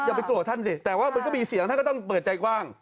ไปโกรธท่านสิแต่ว่ามันก็มีเสียงท่านก็ต้องเปิดใจกว้าง